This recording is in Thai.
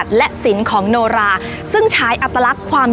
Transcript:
คุณผู้ชมอยู่กับดิฉันใบตองราชนุกูลที่จังหวัดสงคลาค่ะ